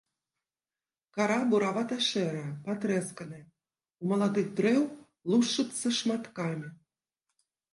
Кара буравата-шэрая, патрэсканая, у маладых дрэў лушчыцца шматкамі.